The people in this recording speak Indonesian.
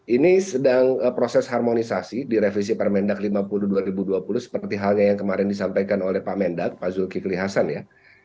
ini sedang proses harmonisasi di revisi permendag lima puluh dua ribu dua puluh seperti halnya yang kemarin disampaikan oleh pak mendag pak zulkifli hasan ya